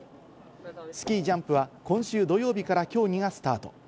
スキージャンプは今週土曜日から競技がスタート。